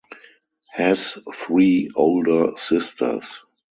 Has three older sisters.